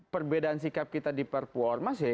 perbedaan sikap kita di perpuorma sih